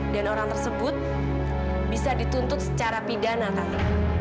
dan orang tersebut bisa dituntut secara pidana tante